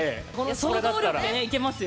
想像力でねいけますよ。